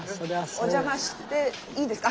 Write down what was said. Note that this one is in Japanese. お邪魔していいですか？